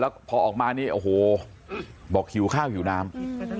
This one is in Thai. แล้วพอออกมานี่โอ้โหบอกหิวข้าวหิวน้ำ